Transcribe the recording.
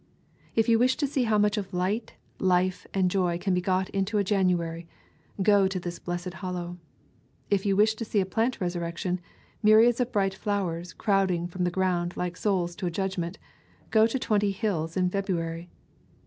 If you wish to see how much of light, life, and joy can be got into a January, go to this blessed Hollow. If you wish to see a plant resurrection, — myriads of bright flowers crowding from the ground, like souls to a judgment,—go to Twenty Hills in February.